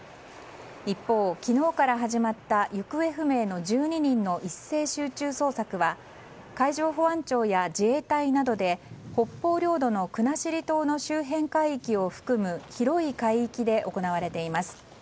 一方、昨日から始まった行方不明の１２人の一斉集中捜索は海上保安庁や自衛隊などで北方領土の国後島の周辺海域を含む広い海域で行われています。